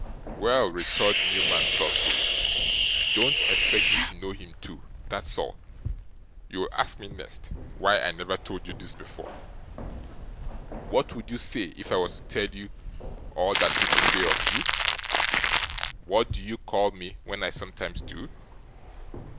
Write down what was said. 'Well,' retored Newman, sulkily, 'don't expect me to know him too; that's all. You'll ask me, next, why I never told you this before. What would you say, if I was to tell you all that people say of you? What do you call me when I sometimes do?